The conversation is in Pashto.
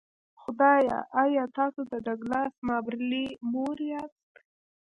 خدایه ایا تاسو د ډګلاس مابرلي مور یاست